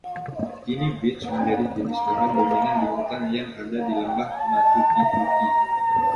Kini beech menjadi jenis pohon dominan di hutan yang ada di Lembah Matukituki.